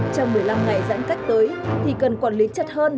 trong một mươi năm ngày giãn cách tới thì cần quản lý chặt hơn